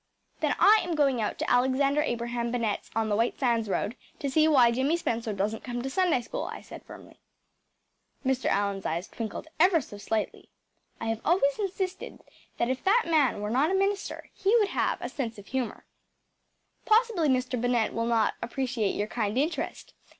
“Then I am going out to Alexander Abraham Bennett’s on the White Sands road to see why Jimmy Spencer doesn’t come to Sunday school,‚ÄĚ I said firmly. Mr. Allan’s eyes twinkled ever so slightly. I have always insisted that if that man were not a minister he would have a sense of humour. “Possibly Mr. Bennett will not appreciate your kind interest!